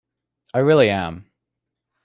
I really am.